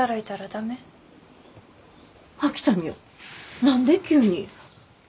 何で急に？